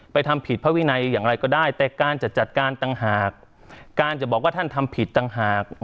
ไปทำผิดพระวินัยอย่างไรก็ได้แต่การจะจัดการต่างหาก